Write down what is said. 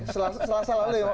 selasa lalu ya